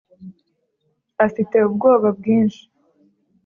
afite ubwoba bwinshi.